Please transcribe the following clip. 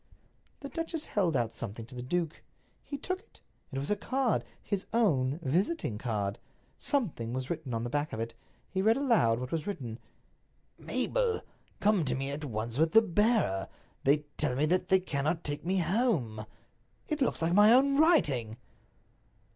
The duchess held out something to the duke. He took it. It was a card—his own visiting card. Something was written on the back of it. He read aloud what was written. "Mabel, come to me at once with the bearer. They tell me that they cannot take me home." It looks like my own writing."